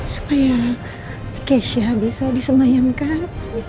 supaya keisha bisa disemayamkan